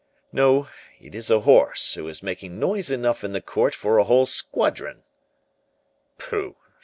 "No; it is a horse, who is making noise enough in the court for a whole squadron." "Pooh!